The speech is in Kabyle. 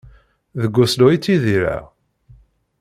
Deg Oslo i ttidireɣ.